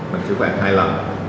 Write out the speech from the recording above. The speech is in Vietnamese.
mình chưa bán hai lần